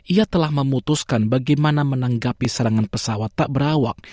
ia telah memutuskan bagaimana menanggapi serangan pesawat tak berawak